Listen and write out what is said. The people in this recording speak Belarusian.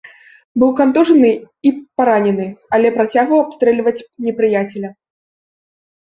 Быў кантужаны і паранены, але працягваў абстрэльваць непрыяцеля.